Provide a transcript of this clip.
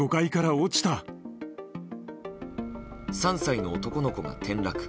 ３歳の男の子が転落。